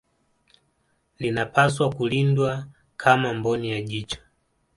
Linapaswa kulindwa kama mboni ya jicho